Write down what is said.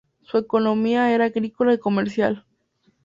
Su economía era agrícola y comercial.